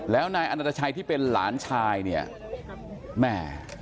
แล้วนายอันตชัยที่เป็นหลานชายแม่